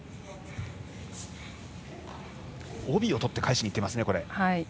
帯を取って返しに行っています。